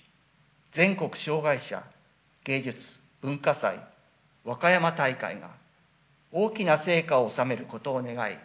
・「全国障害者芸術・文化祭わかやま大会」が大きな成果を収めることを願い